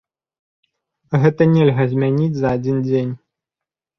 Гэта нельга змяніць за адзін дзень.